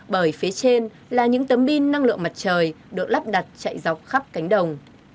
bởi phía trên là những tấm pin năng lượng mặt trời được lắp đặt chạy dọc khắp cánh đồng